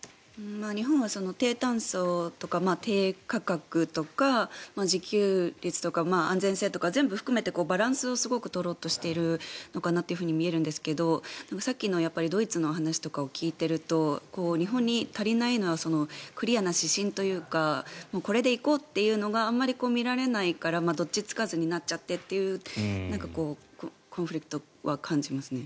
日本は低炭素とか低価格とか自給率とか安全性とか全部含めてバランスをすごく取ろうとしているのかなと見えるんですがさっきのドイツのお話とかを聞いていると日本に足りないのはクリアな指針というかこれで行こうというのがあまり見られないからどっちつかずになっちゃってというコンフリクトは感じますね。